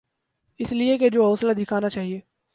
اس لئے کہ جو حوصلہ دکھانا چاہیے۔